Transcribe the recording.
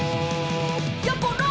「やころ！」